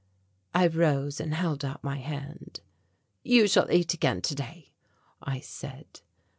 I rose and held out my hand. "You shall eat again today," I said.